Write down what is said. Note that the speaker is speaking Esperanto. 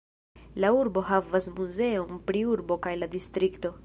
La urbo havas muzeon pri urbo kaj la distrikto.